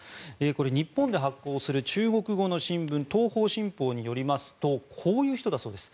日本で発行する中国語の新聞東方新報によりますとこういう人だそうです。